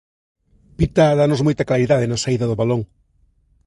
Pita dános moita claridade na saída do balón.